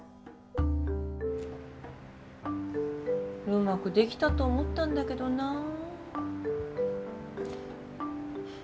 うまくできたと思ったんだけどなあ。